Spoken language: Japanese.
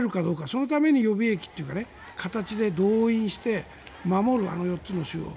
そのために予備役という形で動員して守る、あの４つの州を。